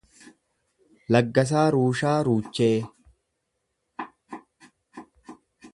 Laggasaa Ruushaa Ruuchee